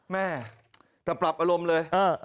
แม่แต่ปรับอารมณ์เลย